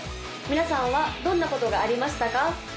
皆さんはどんなことがありましたか？